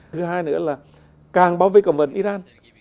thứ hai nữa là càng bảo vệ cầm vật iran